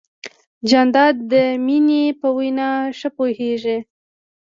جانداد د مینې په وینا ښه پوهېږي.